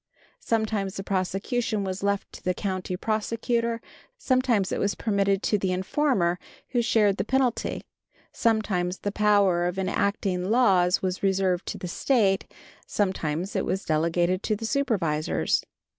Sometimes the prosecution was left to the county prosecutor; sometimes it was permitted to the informer, who shared the penalty; sometimes the power of enacting laws was reserved to the State; sometimes it was delegated to the supervisors.